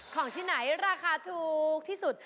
ของที่ไหนราคาถูกที่สุด